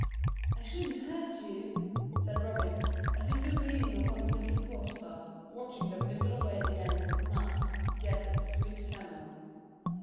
"I shouldn't hurt you," said Robin, as he stood leaning upon his little quarter staff, watching them nibble away the ends of the nuts to get at the sweet kernel.